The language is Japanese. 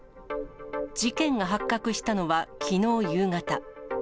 事件が発覚したのは、きのう夕方。